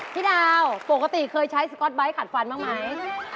พี่ดาวปกติเคยใช้สก๊อตไบท์ขัดฟันบ้างไหม